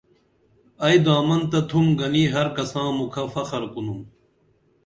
ائی دامن تہ تُھم گنی ہر کساں مُکھہ فخر کُنُم